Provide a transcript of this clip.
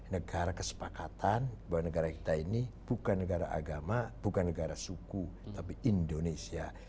negara kesepakatan bahwa negara kita ini bukan negara agama bukan negara suku tapi indonesia